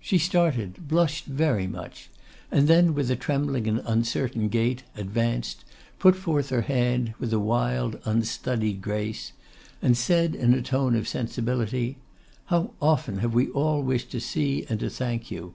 She started; blushed very much; and then, with a trembling and uncertain gait, advanced, put forth her hand with a wild unstudied grace, and said in a tone of sensibility, 'How often have we all wished to see and to thank you!